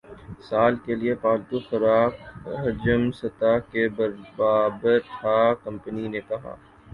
سال کے لیے پالتو خوراک حجم سطح کے برابر تھا کمپنی نے کہا